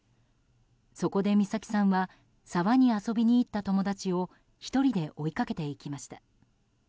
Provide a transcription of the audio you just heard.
そこで美咲さんは沢に遊びに行った友達を１人で追いかけていきました。